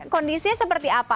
kondisinya seperti apa